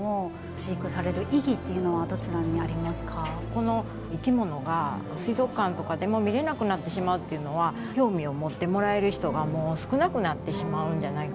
この生き物が水族館とかでも見れなくなってしまうっていうのは興味を持ってもらえる人が少なくなってしまうんじゃないかなと。